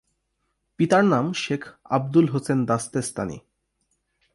পিতার নাম শেখ আব্দুল হোসেন দাস্তেস্তানি।